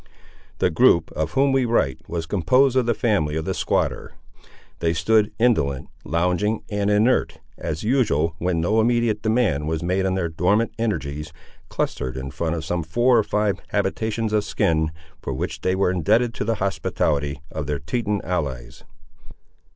The group, of whom we write, was composed of the family of the squatter. They stood indolent, lounging, and inert, as usual when no immediate demand was made on their dormant energies, clustered in front of some four or five habitations of skin, for which they were indebted to the hospitality of their Teton allies.